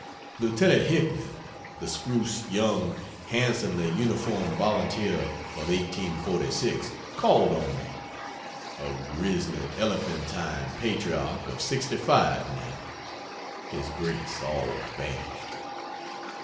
Lieutenant Hickman, the spruce young handsomely uniformed volunteer of 1846, called on me a grisly elephantine patriarch of 65 now, his grace all vanished.